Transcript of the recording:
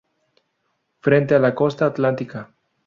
Frente a la costa atlántica.